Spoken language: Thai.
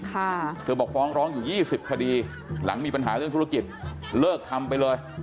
เธอบอกฟ้องร้องอยู่ยี่สิบคดีหลังมีปัญหาเรื่องธุรกิจเลิกทำไปเลย